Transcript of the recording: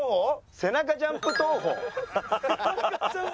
背中ジャンプ投法？